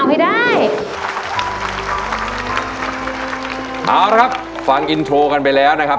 เอาละครับฟังอินโทรกันไปแล้วนะครับ